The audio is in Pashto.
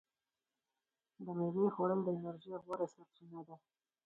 د میوې خوړل د انرژۍ غوره سرچینه ده.